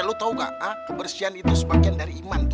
lo tahu gak kebersihan itu sebagian dari iman tuh